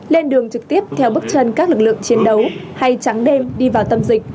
lên đường trực tiếp theo bước chân các lực lượng chiến đấu hay trắng đêm đi vào tâm dịch